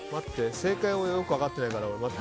正解をよく分かってないから待って。